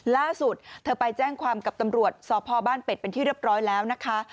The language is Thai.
ล่าสุดเธอไปแจ้งความกับตำรวจสพบ้านเป็ดเป็นที่เรียบร้อยแล้วนะคะ